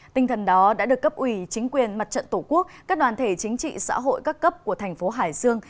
tinh thần đó đã được cấp ủy chính quyền mặt trận tổ quốc các đoàn thể chính trị xã hội các cấp của thành phố hải dương